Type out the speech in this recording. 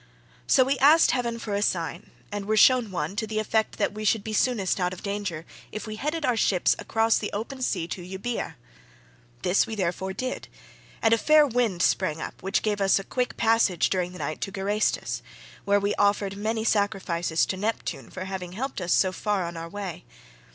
So we asked heaven for a sign, and were shown one to the effect that we should be soonest out of danger if we headed our ships across the open sea to Euboea. This we therefore did, and a fair wind sprang up which gave us a quick passage during the night to Geraestus,29 where we offered many sacrifices to Neptune for having helped us so far on our way.